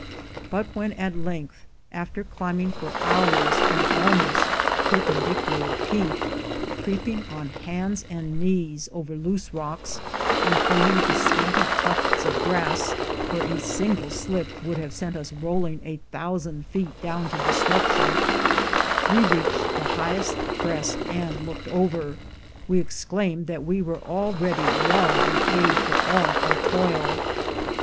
But when at length, after climbing for hours an almost perpendicular peak, — creeping on hands and knees over loose rocks, and clinging to scanty tufts of grass where a single slip would have sent us rolling a thousand feet down to destruction, — we reached the highest crest and looked over, we exclaimed that we were already well repaid for all our toil.